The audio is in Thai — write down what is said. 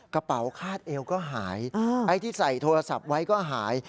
กระเป๋าคาดเอวก็หายไอ้ที่ใส่โทรศัพท์ไว้ก็หาย